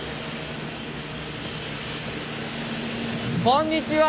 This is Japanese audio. こんにちは！